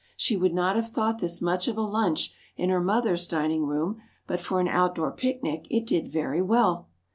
She would not have thought this much of a lunch in her mother's dining room, but for an outdoor picnic it did very well.